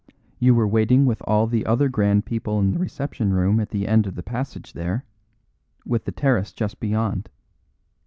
You were waiting with all the other grand people in the reception room at the end of the passage there, with the terrace just beyond.